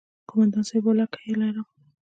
کومندان صايب ولله که يې لرم.